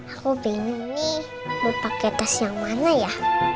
aku bingung nih mau pakai tas yang mana ya